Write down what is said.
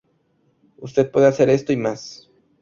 Usted puede hacer esto y más.